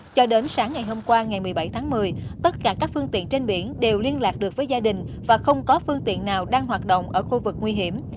cho đến sáng ngày hôm qua ngày một mươi bảy tháng một mươi tất cả các phương tiện trên biển đều liên lạc được với gia đình và không có phương tiện nào đang hoạt động ở khu vực nguy hiểm